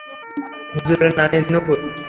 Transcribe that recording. হুজুরের নানীর নূপুর।